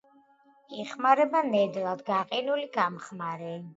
იხმარება ნედლად, გაყინული, გამხმარი.